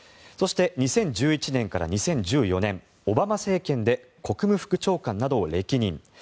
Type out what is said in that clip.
そして２０１１年から２０１４年オバマ政権で国務副長官などを歴任。